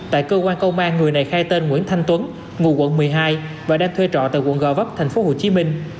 tại cơ quan công an người này khai tên nguyễn thanh tuấn ngụ quận một mươi hai và đang thuê trọ tại quận gò vấp thành phố hồ chí minh